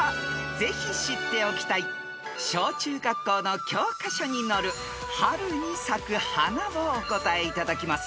［ぜひ知っておきたい小中学校の教科書に載る春に咲く花をお答えいただきます。